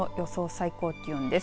最高気温です。